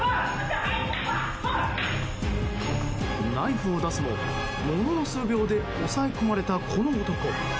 ナイフを出すも、ものの数秒で押さえ込まれたこの男。